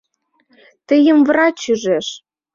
— Тыйым врач ӱжеш.